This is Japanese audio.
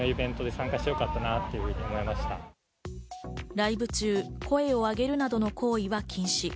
ライブ中、声をあげるなどの行為は禁止。